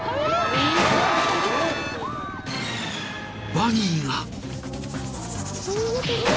［バギーが！］